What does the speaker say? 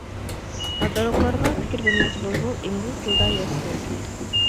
ئاتالغۇلارغا پىكىر بەرمەكچى بولسىڭىز، ئىنگلىز تىلىدا يازىسىز.